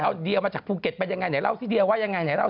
เฮ้ยเธอจะเสร็จแน่นะใครส่งไลน์มา